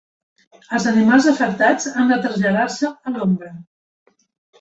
Els animals afectats han de traslladar-se a l'ombra.